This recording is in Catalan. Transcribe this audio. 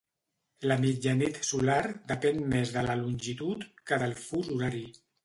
La mitjanit solar depén més de la longitud que del fus horari.